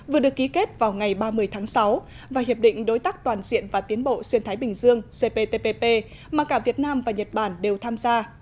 vừa được ký kết vào ngày ba mươi tháng sáu và hiệp định đối tác toàn diện và tiến bộ xuyên thái bình dương cptpp mà cả việt nam và nhật bản đều tham gia